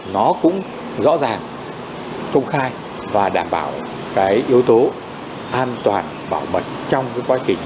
nó cũng rõ ràng công khai và đảm bảo cái yếu tố an toàn bảo mật trong cái quá trình